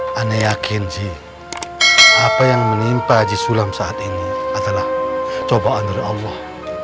saya yakin sih apa yang menimpa aji sulam saat ini adalah cobaan dari allah